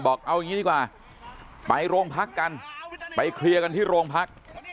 เอาอย่างนี้ดีกว่าไปโรงพักกันไปเคลียร์กันที่โรงพัก